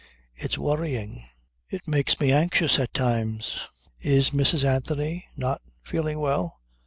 It's worrying. It makes me anxious at times." "Is Mrs. Anthony not feeling well?"